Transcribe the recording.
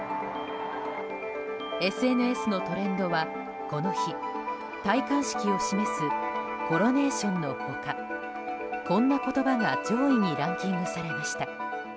ＳＮＳのトレンドはこの日、戴冠式を示すｃｏｒｏｎａｔｉｏｎの他こんな言葉が上位にランキングされました。